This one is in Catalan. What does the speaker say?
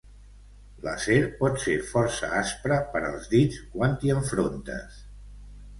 L'acer pot ser força aspre per als dits quan t'hi enfrontes.